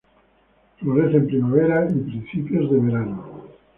Florece en primavera y principios de verano.